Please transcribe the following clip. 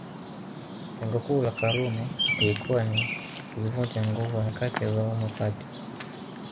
Lengo kuu la Karume lilikuwa ni kuzivunja nguvu harakati za Umma Party